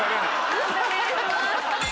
判定お願いします。